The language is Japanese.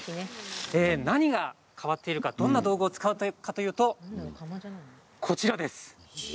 何が変わっているか、どんな道具を使うかというとこちらです。